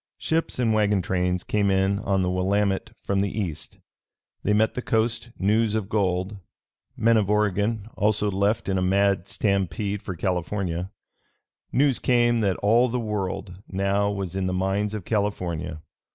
Ships and wagon trains came in on the Willamette from the East. They met the coast news of gold. Men of Oregon also left in a mad stampede for California. News came that all the World now was in the mines of California.